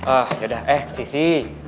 ah ya udah eh sisi